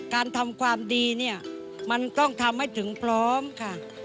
การทำความดีเนี่ยมันต้องทำให้ถึงพร้อมค่ะ